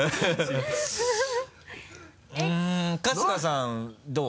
うん春日さんどう？